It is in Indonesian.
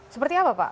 seperti apa pak